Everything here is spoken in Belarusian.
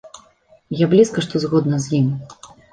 Я блізка што згодна з ім.